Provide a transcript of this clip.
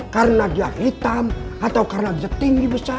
karena dia hitam atau karena dia tinggi besar